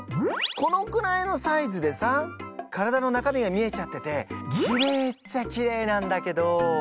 このくらいのサイズでさ体の中身が見えちゃっててきれいっちゃきれいなんだけど。